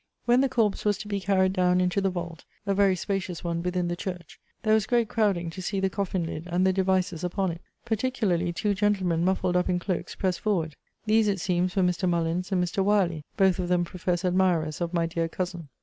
When the corpse was to be carried down into the vault, (a very spacious one, within the church,) there was great crowding to see the coffin lid, and the devices upon it. Particularly two gentlemen, muffled up in clokes, pressed forward. These, it seems, were Mr. Mullins and Mr. Wyerley; both of them professed admirers of my dear cousin.